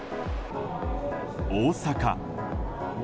大阪。